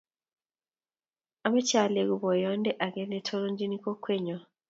Ameche aleku boyonde age netonchini kokwet nyo.